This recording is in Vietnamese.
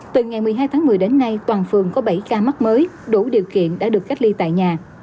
từ ngày một mươi hai tháng một mươi đến nay toàn phường có bảy ca mắc mới đủ điều kiện đã được cách ly tại nhà